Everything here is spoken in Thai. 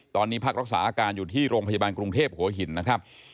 ตอนนี้พักรักษาอาการอยู่ที่โรงพยาบาลกรุงเทพหัวหินนะครับ